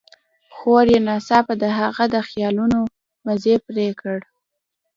خور يې ناڅاپه د هغه د خيالونو مزی پرې کړ.